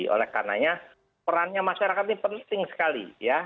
oleh karenanya perannya masyarakat ini penting sekali